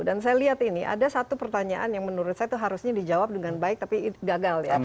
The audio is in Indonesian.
dan saya lihat ini ada satu pertanyaan yang menurut saya harusnya dijawab dengan baik tapi gagal ya